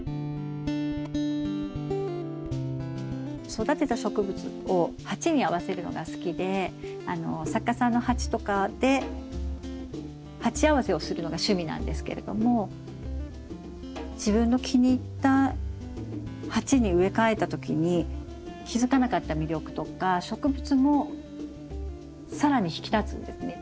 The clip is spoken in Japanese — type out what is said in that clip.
育てた植物を鉢に合わせるのが好きであの作家さんの鉢とかで鉢合わせをするのが趣味なんですけれども自分の気に入った鉢に植え替えた時に気付かなかった魅力とか植物も更に引き立つんですね。